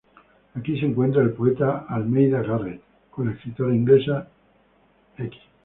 Aquí se encontraron el poeta "Almeida Garrett" con la escritora inglesa Mrs.